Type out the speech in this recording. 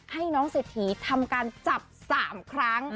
ให้น้องเศรษฐีทำการจับ๓ครั้ง